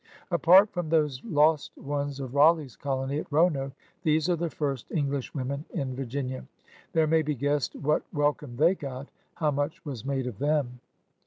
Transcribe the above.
Apart from those lost ones of Raleigh's colony at Roanoke, these are the first Englishwomen in Virginia. There may be guessed what welcome they got, how much was made of them.